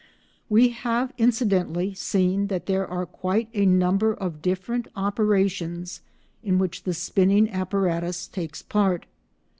We have incidentally seen that there are quite a number of different operations in which the spinning apparatus takes part.